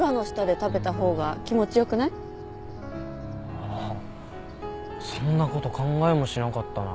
ああそんなこと考えもしなかったな。